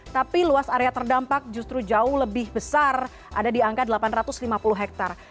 tapi luas area terdampak justru jauh lebih besar ada di angka delapan ratus lima puluh hektare